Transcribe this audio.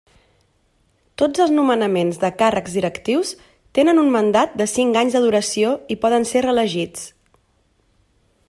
Tots els nomenaments de càrrecs directius tenen un mandat de cinc anys de duració, i poden ser reelegits.